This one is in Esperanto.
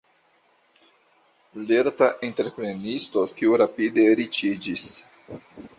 Lerta entreprenisto, kiu rapide riĉiĝis.